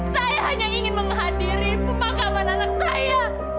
saya hanya ingin menghadiri pemakaman anak saya